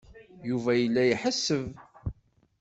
Yuba yella iḥesseb.